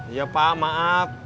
iya pak maaf